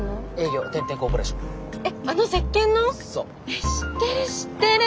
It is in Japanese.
えっ知ってる知ってる！